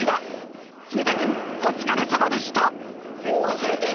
［常田君お疲れさまでした］